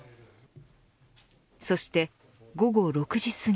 そして、午後６時すぎ。